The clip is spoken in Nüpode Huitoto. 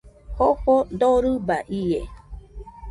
Jofo dorɨba ie